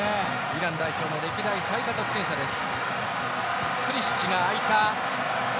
イラン代表の歴代最多得点者です。